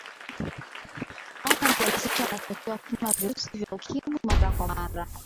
mama mjamzito anatakiwa kupima virusi vya ukimwi mara kwa mara